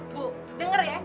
bu denger ya